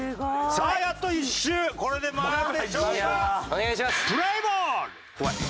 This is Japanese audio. さあやっと１周これで回るでしょうか？